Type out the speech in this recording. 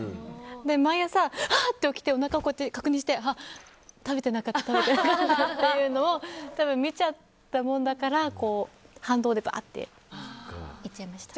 毎朝、あっ！って起きておなか確認して食べてなかった！っていうのを見ちゃったもんだから反動でばっといっちゃいました。